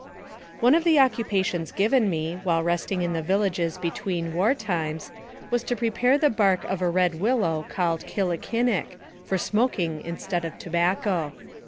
ONE of the occupations given me, while resting in the villages between war times, was to prepare the bark of a red willow called killikinnick, for smoking instead of tobacco.